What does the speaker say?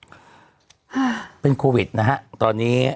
ค่ะเป็นโควิดนะฮะตอนนี้